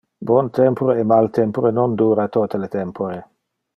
Bon tempore e mal tempore non dura tote le tempore.